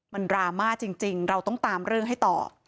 มันดราม่าจริงเราต้องตามเรื่องให้ต่อ